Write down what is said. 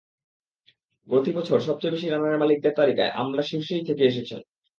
প্রতি বছর সবচেয়ে বেশি রানের মালিকদের তালিকায় আমলা শীর্ষেই থেকে এসেছেন।